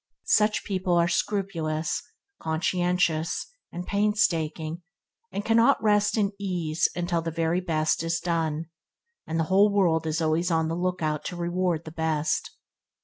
Such people are scrupulous, conscientious, and painstaking, and cannot rest in ease until the very best is done, and the whole world is always on the lookout to reward the best.